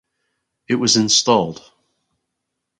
It was installed.